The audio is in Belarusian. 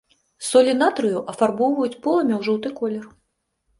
Солі натрыю афарбоўваюць полымя ў жоўты колер.